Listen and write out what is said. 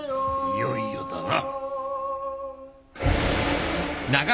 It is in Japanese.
いよいよだな。